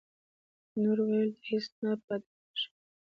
نور ویلو ته هېڅ څه نه پاتې کېږي